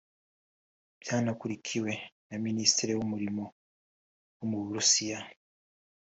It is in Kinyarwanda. byanakurikiwe na Minisitiri w’umurimo wo mu Burusiya